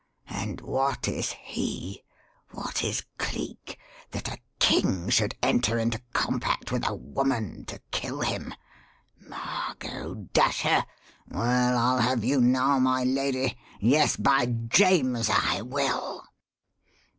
And what is he what is Cleek? that a king should enter into compact with a woman to kill him? Margot, dash her! Well, I'll have you now, my lady yes, by James, I will!"